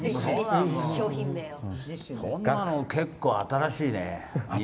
結構新しいね。